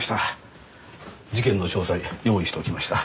事件の詳細用意しておきました。